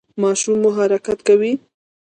ماشوم مو حرکت کوي؟